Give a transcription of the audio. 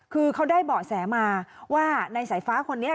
คือเขาได้เบาะแสมาว่าในสายฟ้าคนนี้